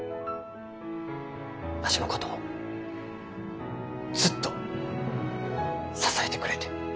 わしのこともずっと支えてくれて。